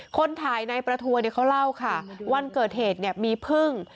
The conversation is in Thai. คนถ่ายในประทวนเขาเล่าค่ะวันเกิดเหตุมีพึ่ง